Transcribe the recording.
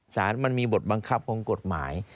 สารมันมีบทบังคับของกฎหมาย